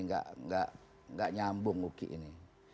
nggak nyambung uki ini